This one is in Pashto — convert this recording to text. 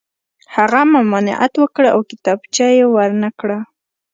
هغه ممانعت وکړ او کتابچه یې ور نه کړه